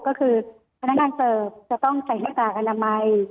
ก็คือพนักงานเสิร์ฟจะต้องใส่หน้ากากอนามัย